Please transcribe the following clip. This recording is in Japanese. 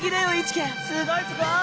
すごいすごい！